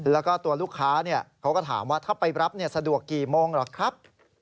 แล้วก็ตัวลูกค้าเขาก็ถามว่าถ้าไปรับสะดวกกี่โมงเหรอครับ